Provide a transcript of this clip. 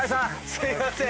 すいません。